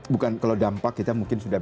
bukan kalau dampak kita mungkin sudah